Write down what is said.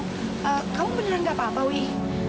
um kamu beneran gak apa apa wiki